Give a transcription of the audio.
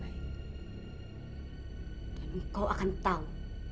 dan engkau akan tahu